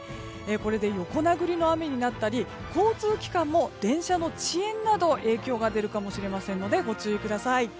これで横殴りの雨になったり交通機関も電車の遅延など影響が出るかもしれませんのでご注意ください。